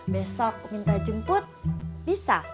besok minta jemput bisa